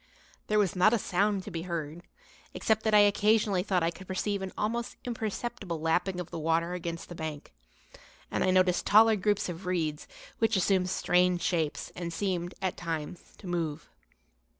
There was not a sound to be heard, except that I occasionally thought I could perceive an almost imperceptible lapping of the water against the bank, and I noticed taller groups of reeds which assumed strange shapes and seemed, at times, to move.